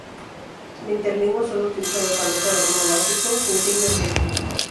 La interlingua sólo utiliza el alfabeto latino básico, sin signos diacríticos.